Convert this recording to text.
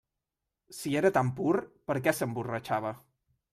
Si era tan pur, per què s'emborratxava?